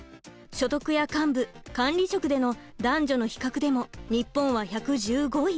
所得や幹部管理職での男女の比較でも日本は１１５位。